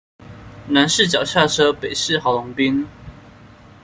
南勢角下車，北市郝龍斌